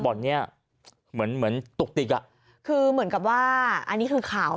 บ่อนเนี้ยเหมือนเหมือนตุกติกอ่ะคือเหมือนกับว่าอันนี้คือข่าว